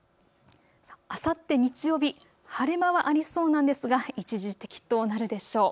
あさって日曜日、晴れ間はありそうなんですが一時的となるでしょう。